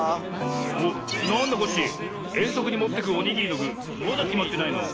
おっなんだコッシーえんそくにもってくおにぎりのぐまだきまってないの？